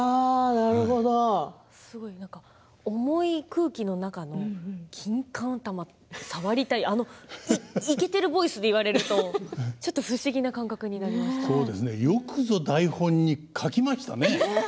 重い空気の中の「きんかん頭、触りたい」イケてるボイスで言われるとちょっと不思議な感覚によくぞ台本に書きましたね。